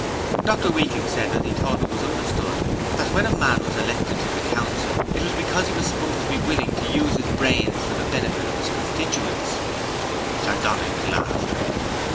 Dr Weakling said that he thought it was understood that when a man was elected to that Council it was because he was supposed to be willing to use his brains for the benefit of his constituents. (Sardonic laughter.)